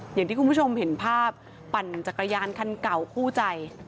อย่างที่คุณผู้ชมเห็นภาพปั่นจักรยานคันเก่าคู่ใจ